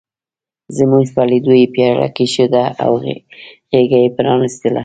زموږ په لیدو یې پياله کېښوده او غېږه یې پرانستله.